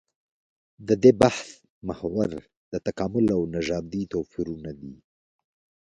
د دې بحث محور د تکامل او نژادي توپيرونه دي.